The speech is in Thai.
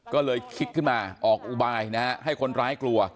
ก็เลยคิดขึ้นมาออกอุบายนะฮะให้คนร้ายกลัว